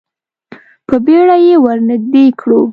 په بیړه یې ور نږدې کړو.